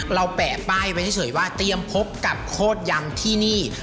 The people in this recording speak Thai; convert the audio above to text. แปะป้ายไว้เฉยว่าเตรียมพบกับโคตรยำที่นี่